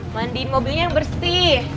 mandiin mobilnya yang bersih